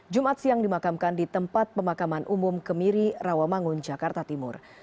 jumat siang dimakamkan di tempat pemakaman umum kemiri rawamangun jakarta timur